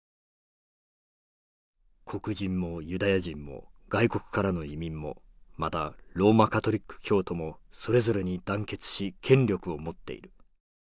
「黒人もユダヤ人も外国からの移民もまたローマカトリック教徒もそれぞれに団結し権力を持っている。